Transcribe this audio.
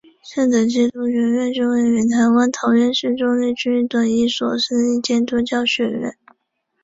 圣德基督学院是位于台湾桃园市中坜区的一所私立基督教学院。